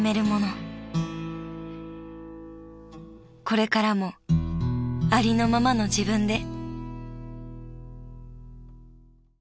［これからもありのままの自分で］